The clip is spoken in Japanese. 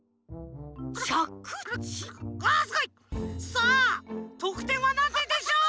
さあとくてんはなんてんでしょう？